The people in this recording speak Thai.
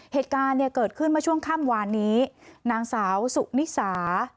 เหตุการณ์เนี่ยเกิดขึ้นเมื่อช่วงค่ำวานนี้นางสาวสุนิสา